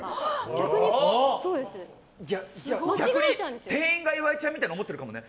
逆に店員が岩井ちゃんみたいなこと思ってるかもね。